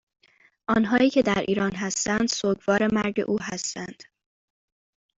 آنهایی که در ایران هستند سوگوار مرگ او هستند